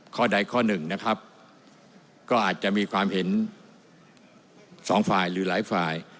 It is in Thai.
ข้อใดข้อหนึ่งนะครับก็อาจจะมีความเห็นสองฝ่ายหรือหลายฝ่าย